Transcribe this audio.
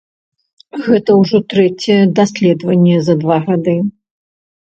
Гэта ўжо трэцяе даследаванне за два гады.